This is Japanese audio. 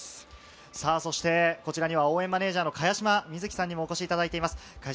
そしてこちらには応援マネージャーの茅島みずきさんにもお越しいただいています。